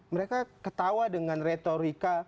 mereka ketawa dengan retorika